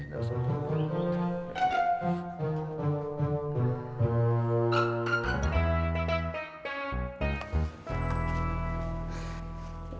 jangan main jangan main